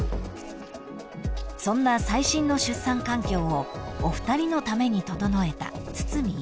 ［そんな最新の出産環境をお二人のために整えた堤医師］